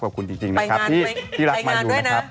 ไปงานด้วย